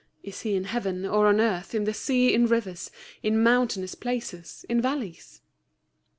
Is He in heaven, or on earth, in the sea, in rivers, in mountainous places, in valleys?"